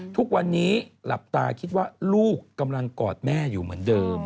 ทุกวันนี้หลับตาคิดว่าลูกกำลังกอดแม่อยู่เหมือนเดิม